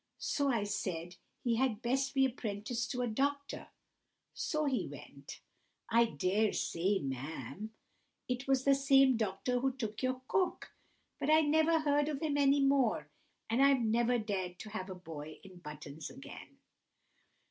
So I said he had best be apprenticed to a doctor; so he went—I dare say, ma'am, it was the same doctor who took your cook—but I never heard of him any more, and I've never dared to have a boy in buttons again."